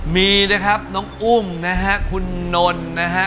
มีนะครับน้องอุ้มนะฮะคุณนนท์นะฮะ